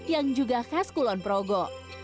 yang juga khas kulon progo